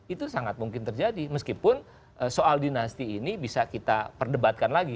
itu sangat mungkin terjadi meskipun soal dinasti ini bisa kita perdebatkan lagi